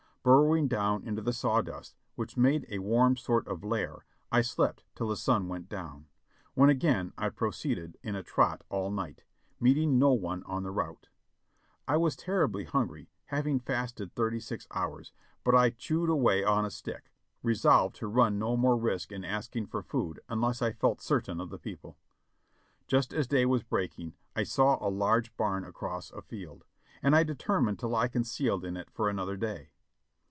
Burrowing down into the saw dust, which made a warm sort of lair, I slept till the sun went down, when again I proceeded in a trot all night, meeting no one on the route. I was terribly hungry, having fasted thirty six hours, but I chewed aw^ay on a stick, resolved to run no more risk in asking for food unless I felt certain of the people. Just as day was breaking I saw a large barn across a field, and THE THIRD ESCAPE 515 1 deterinined to lie concealed in it for another day.